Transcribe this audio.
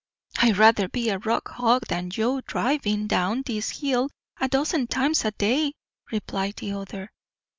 "I'd rather be a rock hog than Joe drivin' down this hill a dozen times a day," replied the other.